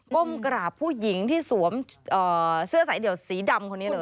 ก้มกราบผู้หญิงที่สวมเสื้อสายเดี่ยวสีดำคนนี้เลย